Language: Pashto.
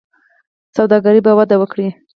سوداګري به وده وکړي.